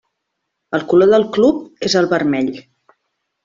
El color del club és el vermell.